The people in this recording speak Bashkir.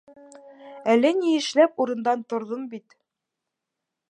Әллә ни эшләп урындан торҙом бит.